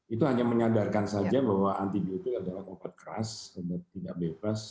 itu hanya menyadarkan saja bahwa antibiotik adalah obat keras obat tidak bebas